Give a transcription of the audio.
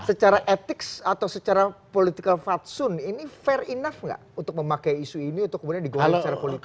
secara etik atau secara politik fadlizon ini fair enough gak untuk memakai isu ini untuk kemudian digoleh secara politik